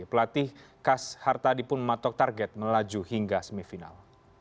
pelatih khas hartadi pun matok target melaju hingga semifinal